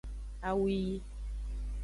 Awu yi.